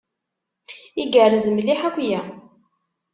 Igerrez mliḥ akya.